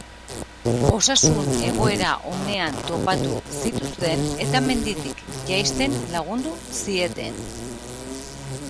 Osasun-egoera onean topatu zituzten, eta menditik jaisten lagundu zieten.